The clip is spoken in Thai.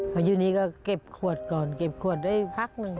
พออยู่นี้ก็เก็บขวดก่อนเก็บขวดได้พักหนึ่ง